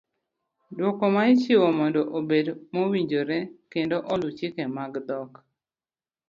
Duoko ma ichiwo mondo obed mowinjore kendo olu chike mag dhok.